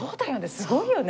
すごいよね。